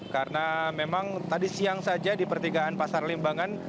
karena memang tadi siang saja di pertigaan pasar limbangan